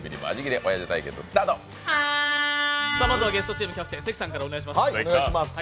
まずはゲストチームキャプテン・関さんからお願いします。